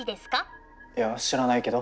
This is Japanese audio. いや知らないけど。